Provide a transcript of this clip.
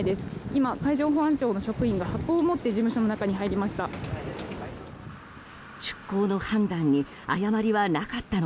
今、海上保安庁の職員が箱を持って事務所の中に入りました。